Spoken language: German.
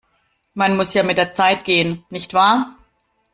Man muss ja mit der Zeit gehen, nicht wahr?